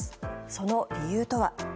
その理由とは。